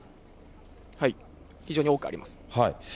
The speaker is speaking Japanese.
非常に多くあります。